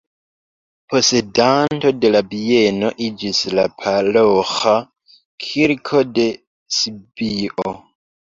Posedanto de la bieno iĝis la paroĥa kirko de Sibio.